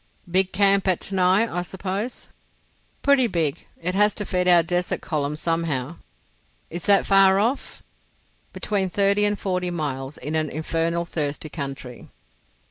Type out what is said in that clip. "Big camp at Tanai, I suppose?" "Pretty big. It has to feed our desert column somehow." "Is that far off?" "Between thirty and forty miles—in an infernal thirsty country."